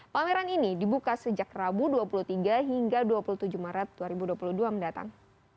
pameran ini dibuka sejak rabu dua puluh tiga hingga dua puluh tujuh maret dua ribu dua puluh dua mendatang